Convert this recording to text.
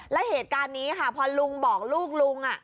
และเหตุการณ์นี้ค่ะพอลุงบอกลูกลุง